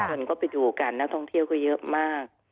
คนก็ไปดูกันนักท่องเที่ยวก็เยอะมาก